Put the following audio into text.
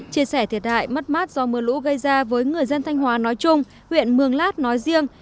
chia sẻ thiệt hại mất mát do mưa lũ gây ra với người dân thanh hóa nói chung huyện mường lát nói riêng